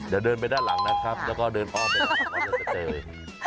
เดี๋ยวเดินไปด้านหลังนะครับแล้วก็เดินฟ่าวัตรวัตรเจ็ดเจย์